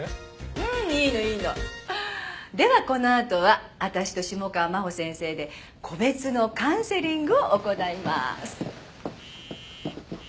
ううんいいのいいの。ではこのあとは私と下川真帆先生で個別のカウンセリングを行います。